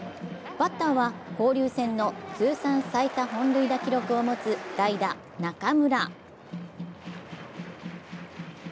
バッターは交流戦の通算最多本塁打記録を持つ代打・中村。